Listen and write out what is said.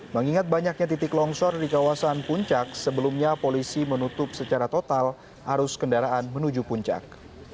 mengingat banyaknya titik longsor di kawasan puncak sebelumnya polisi menutup secara total arus kendaraan menuju puncak